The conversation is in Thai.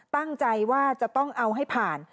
ตั้งใจว่าจะต้องเอาให้ผ่าน